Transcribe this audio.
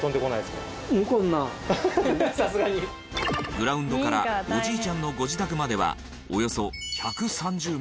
グラウンドからおじいちゃんのご自宅まではおよそ１３０メートル。